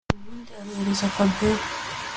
ubundi aruhereza Fabiora